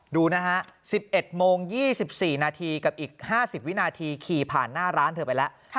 ดูนะฮะ๑๑โมง๒๔นาทีกับอีก๕๐วินาทีขี่ผ่านหน้าร้านเธอไปแล้ว